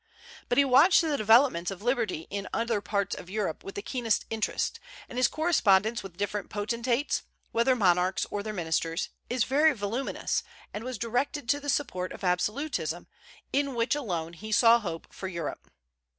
But he watched the developments of liberty in other parts of Europe with the keenest interest, and his correspondence with the different potentates whether monarchs or their ministers is very voluminous, and was directed to the support of absolutism, in which alone he saw hope for Europe.